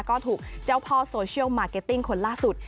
ก็ถูกเจ้าพ่อโซเชียลมาร์เก็ตติ้งคนล่าสุด